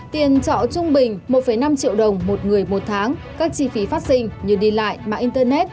tiền trọ trung bình một năm triệu đồng một người một tháng các chi phí phát sinh như đi lại mạng internet